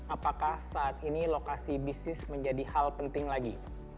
apakah saat ini lokasi bisnis menjadi hal penting lagi